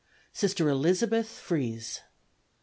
Sister Elizabeth Freze.